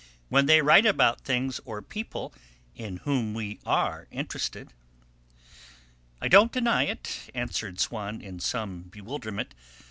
"When they write about things or people in whom we are interested." "I don't deny it," answered Swann in some bewilderment.